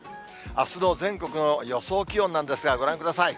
あすの全国の予想気温なんですが、ご覧ください。